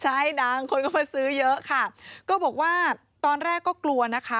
ใช่ดังคนก็มาซื้อเยอะค่ะก็บอกว่าตอนแรกก็กลัวนะคะ